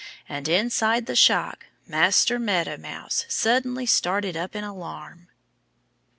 And inside the shock Master Meadow Mouse suddenly started up in alarm.